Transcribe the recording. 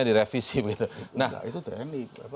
direvisi nah itu trending